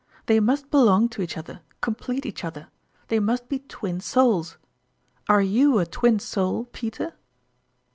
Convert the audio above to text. They must belong to each other, complete each other they must be Twin Souls. Are you a Twin Soul, Peter